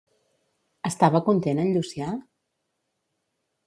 Estava content en Llucià?